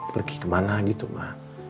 pergi kemana gitu ma